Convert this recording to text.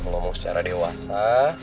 ngomong secara dewasa